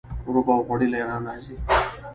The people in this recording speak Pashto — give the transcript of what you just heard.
رب او غوړي له ایران راځي.